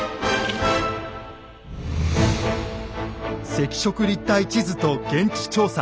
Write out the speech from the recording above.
赤色立体地図と現地調査。